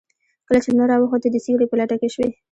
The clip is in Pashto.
کله چې لمر راوخت تۀ د سيوري په لټه کې شوې.